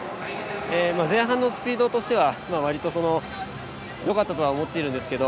前半のスピードとしてはわりと、よかったとは思っているんですけど。